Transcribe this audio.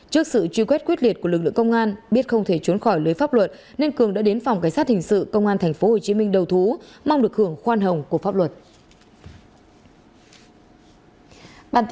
trước sự truy quét quyết liệt của lực lượng công an biết không thể trốn khỏi lưới pháp luật nguyễn quốc cường đã đến phòng cảnh sát hình sự công an tp hồ chí minh đầu thú mong được hưởng khoan hồng của pháp luật